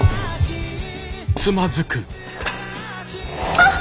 あっ！